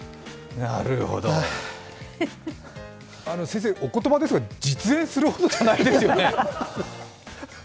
先生、お言葉ですが、実演するほどじゃないですよね？